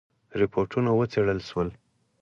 رپوټونه وڅېړل شول.